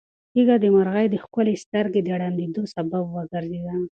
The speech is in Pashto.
تیږه د مرغۍ د ښکلې سترګې د ړندېدو سبب وګرځېده.